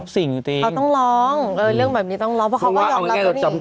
สิ่งอยู่ตรงนี้อ๋อต้องร้องเออเรื่องแบบนี้ต้องร้องเพราะเขาก็ยอดรับตัวนี้